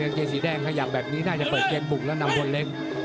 ดังนั้นเกมสีแดงขยับแบบนี้น่าจะเปิดเกมปุกแล้วนำคนเล็ก